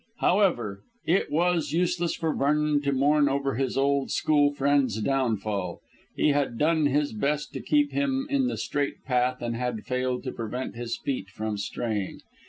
However, it was useless for Vernon to mourn over his old school friend's downfall. He had done his best to keep him in the straight path and had failed to prevent his feet from straying.